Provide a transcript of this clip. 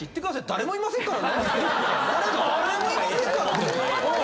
誰もいませんから。